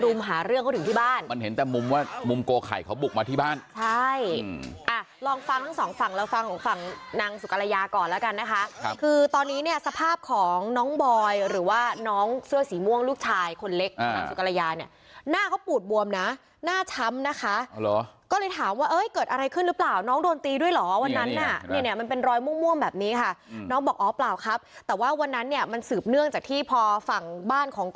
โอ้โฮโอ้โฮโอ้โฮโอ้โฮโอ้โฮโอ้โฮโอ้โฮโอ้โฮโอ้โฮโอ้โฮโอ้โฮโอ้โฮโอ้โฮโอ้โฮโอ้โฮโอ้โฮโอ้โฮโอ้โฮโอ้โฮโอ้โฮโอ้โฮโอ้โฮโอ้โฮโอ้โฮโอ้โฮโอ้โฮโอ้โฮโอ้โฮโอ้โฮโอ้โฮโอ้โฮโอ้โ